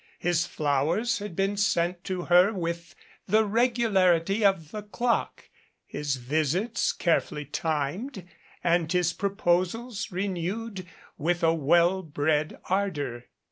His flowers had been sent to her with the regularity of the clock, his visits carefully timed, and his proposals renewed with a well bred ardor.